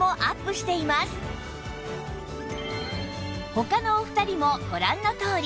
他のお二人もご覧のとおり